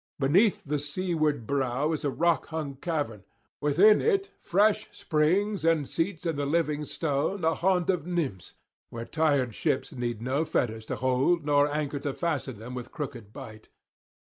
Beneath the seaward brow is a rock hung cavern, within it fresh springs and seats in the living stone, a haunt of nymphs; where tired ships need no fetters to hold nor anchor to fasten them with crooked bite.